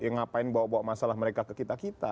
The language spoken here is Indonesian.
ngapain bawa bawa masalah mereka ke kita kita